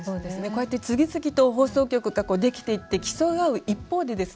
こうやって次々と放送局ができていって競い合う一方でですね